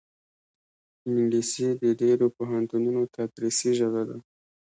انګلیسي د ډېرو پوهنتونونو تدریسي ژبه ده